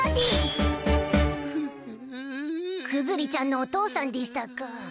クズリちゃんのお父さんでぃしたか。